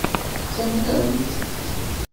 Ttamnen-t?